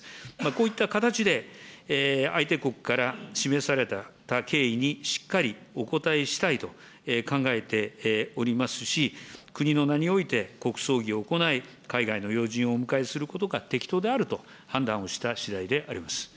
こういった形で、相手国から示された敬意にしっかりお応えしたいと考えておりますし、国の名において国葬儀を行い、海外の要人をお迎えすることが適当であると判断をしたしだいであ